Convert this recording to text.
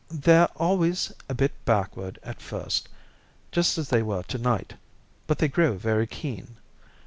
"They're always a bit backward at first, just as they were tonight, but they grow very keen.